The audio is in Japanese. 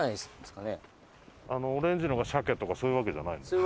あのオレンジのがシャケとかそういうわけじゃないの？